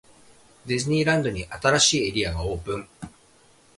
ディズニーランドに、新しいエリアがオープン!!